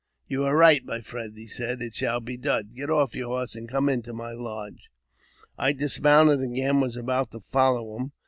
"You are right, my friend,"" said he; "it shall be done. Get off your horse, and come into my lodge." I dismounted again, and was about to follow him.